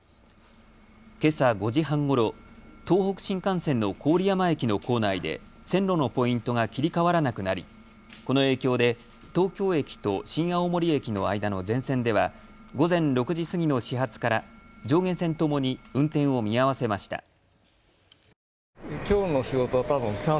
けさ５時半ごろ、東北新幹線の郡山駅の構内で線路のポイントが切り替わらなくなりこの影響で東京駅と新青森駅の間の全線では午前６時過ぎの始発から上下線ともに運転を見合わせました。